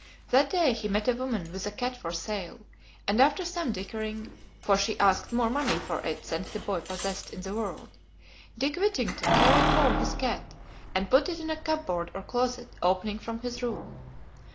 That day he met a woman with a cat for sale, and after some dickering (for she asked more money for it than the boy possessed in the world), Dick Whittington carried home his cat and put it in a cupboard or closet opening from his room.